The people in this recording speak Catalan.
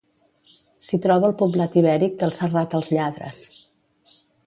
S'hi troba el poblat ibèric del Serrat els Lladres.